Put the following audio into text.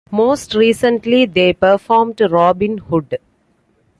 Most recently they performed Robin Hood.